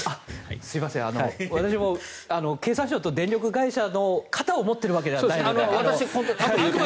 私も経産省と電力会社の肩を持っているわけではないので。